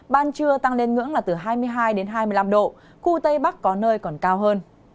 ban trưa tăng lên ngưỡng là từ hai mươi hai đến hai mươi năm độ khu tây bắc có nơi còn cao hơn